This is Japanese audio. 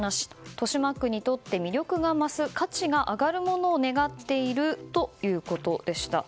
豊島区にとって魅力が増す価値が上がるものを願っているということでした。